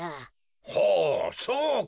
ほうそうか。